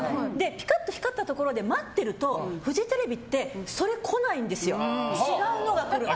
ピカッと光ったところで待ってるとフジテレビってそれ来ないんですよ。